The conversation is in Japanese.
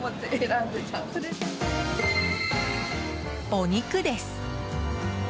お肉です。